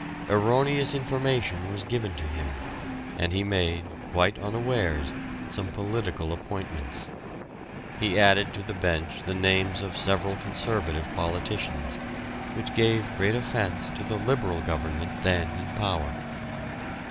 Erroneous information was given to him, and he made, quite unawares, some political appointments. He added to the bench the names of several Conservative politicians, which gave great offence to the Liberal Government then in power.